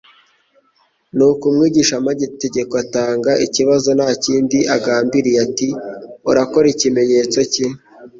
Nuko umwigishamategeko atanga ikibazo nta kindi agambiriye ati: "Urakora kimenyetso ki